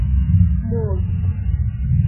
مزد